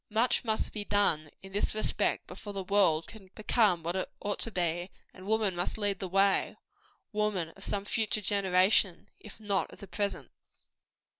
Much must be done, in this respect, before the world can become what it ought to be; and woman must lead the way woman of some future generation, if not of the present.